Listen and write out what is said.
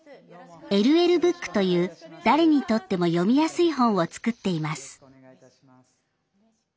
ＬＬブックという誰にとっても読みやすい本を作っています。